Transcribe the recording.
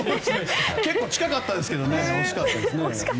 結構近かったですけど惜しかったですね。